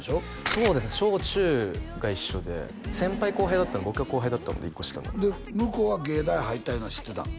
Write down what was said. そうですね小中が一緒で先輩後輩だったんで僕が後輩だったので１個下の向こうは藝大入ったいうのは知ってたん？